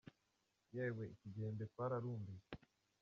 Yewe! iki gihembwe twararumbije.